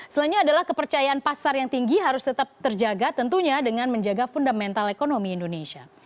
selainnya adalah kepercayaan pasar yang tinggi harus tetap terjaga tentunya dengan menjaga fundamental ekonomi indonesia